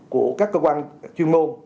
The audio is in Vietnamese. của các cơ quan chuyên môn